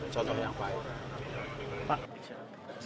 contoh yang baik